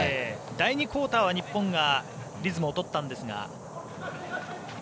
第２クオーターは日本がリズムをとったんですが。